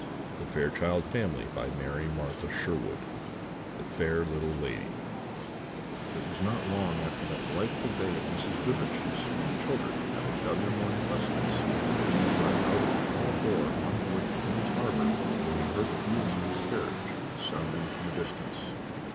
The Fair Little Lady [Illustration: The coach came in sight] It was not long after that delightful day at Mrs. Goodriche's, when the children, having done their morning lessons, had just gone out of the hall door, on their way to Henry's arbour, when they heard the wheels of a carriage sounding from a distance.